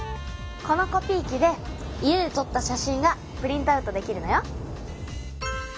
このコピー機で家でとった写真がプリントアウトできるのよ。